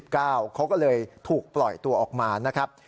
เขาก็เลยถูกปล่อยตัวออกมานะครับ